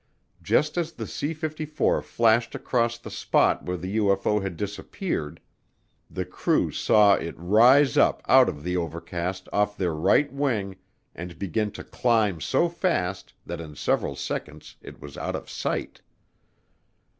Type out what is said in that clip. Just as the C 54 flashed across the spot where the UFO had disappeared, the crew saw it rise up out of the overcast off their right wing and begin to climb so fast that in several seconds it was out of sight.